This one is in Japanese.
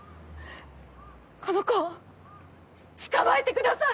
この子を捕まえてください。